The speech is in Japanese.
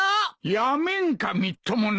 やめんかみっともない。